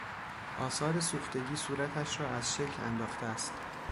آثار سوختگی صورتش را از شکل انداخته است.